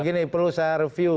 gini perlu saya review